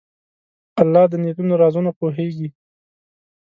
الله د نیتونو رازونه پوهېږي.